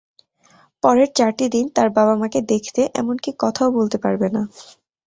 পরের চারটি দিন তার বাবা-মাকে দেখতে, এমনকি কথাও বলতে পারবে না।